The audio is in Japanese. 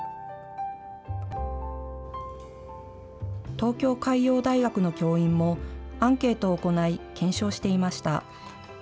東京海洋大学の教員もアンケートを行い検証していました。